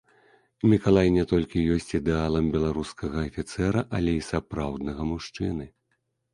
Мікалай не толькі ёсць ідэалам беларускага афіцэра, але і сапраўднага мужчыны.